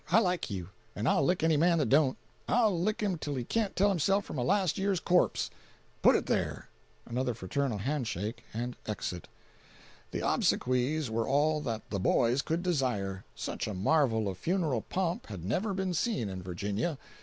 I like you, and I'll lick any man that don't. I'll lick him till he can't tell himself from a last year's corpse! Put it there!" [Another fraternal hand shake—and exit.] The obsequies were all that "the boys" could desire. Such a marvel of funeral pomp had never been seen in Virginia.